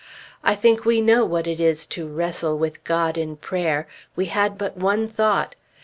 I think we know what it is to "wrestle with God in prayer"; we had but one thought.